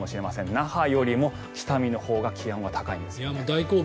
那覇よりも北見のほうが気温が高いんです。